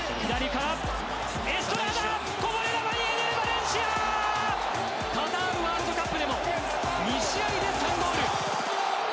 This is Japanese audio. カタールワールドカップでも２試合で３ゴール！